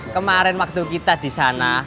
kemarin waktu kita disana